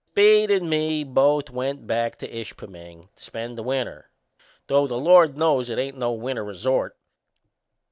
Speed and me both went back to Ishpeming to spend the winter though the Lord knows it ain't no winter resort.